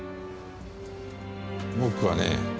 僕はね。